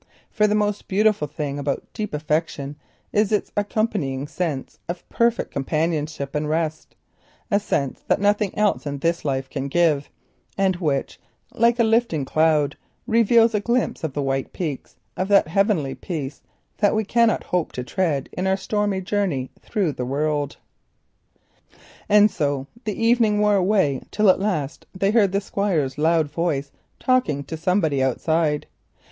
For the most beautiful aspect of true affection is its accompanying sense of perfect companionship and rest. It is a sense which nothing else in this life can give, and, like a lifting cloud, reveals the white and distant peaks of that unbroken peace which we cannot hope to win in our stormy journey through the world. And so the evening wore away till at last they heard the Squire's loud voice talking to somebody outside.